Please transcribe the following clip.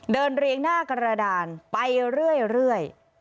เรียงหน้ากระดานไปเรื่อย